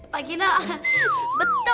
pak kino betul pak kino